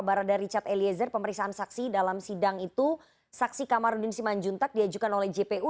barada richard eliezer pemeriksaan saksi dalam sidang itu saksi kamarudin simanjuntak diajukan oleh jpu